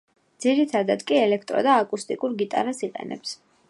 ძირითადად კი ელექტრო და აკუსტიკურ გიტარას იყენებს.